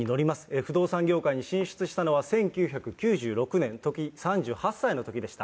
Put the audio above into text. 不動産業界に進出したのは、１９９６年、とき３８歳のときでした。